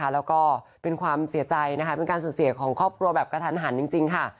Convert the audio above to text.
แล้วก็เป็นความเสียใจนะคะเป็นการสูญเสียของครอบครัวแบบกระทันหันจริงค่ะ